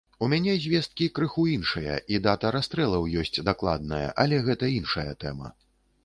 У мяне звесткі крыху іншыя, і дата расстрэлаў ёсць дакладная, але гэта іншая тэма.